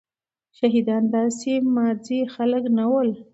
شهيدان داسي ماځي خلک نه ول.